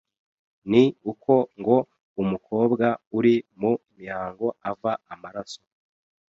ni uko ngo umukobwa uri mu mihango ava amaraso